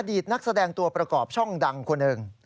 ตนักแสดงตัวประกอบช่องดังคนหนึ่ง